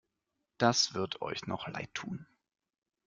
Das wird euch noch leidtun!